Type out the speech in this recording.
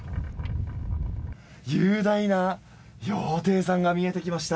雄大な羊蹄山が見えてきました。